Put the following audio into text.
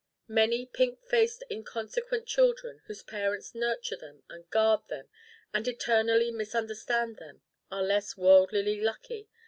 Many pink faced inconsequent children whose parents nurture them and guard them and eternally misunderstand them are less worldlily lucky.